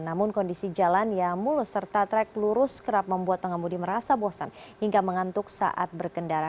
namun kondisi jalan yang mulus serta trek lurus kerap membuat pengemudi merasa bosan hingga mengantuk saat berkendara